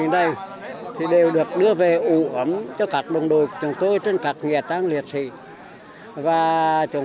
đây thì đều được đưa về ủ ấm cho các đồng đội từng tôi trên các nghệ trang liệt sĩ và chúng